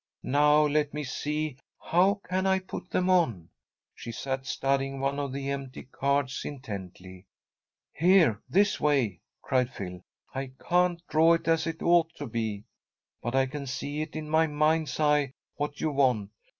Now, let me see. How can I put them on?" She sat studying one of the empty cards intently. "Here! This way!" cried Phil. "I can't draw it as it ought to be, but I can see in my mind's eye what you want.